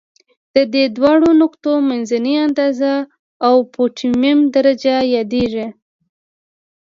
د دې دواړو نقطو منځنۍ اندازه اؤپټیمم درجه یادیږي.